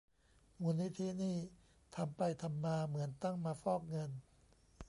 มูลนิธินี่ ทำไปทำมา เหมือนตั้งมาฟอกเงิน !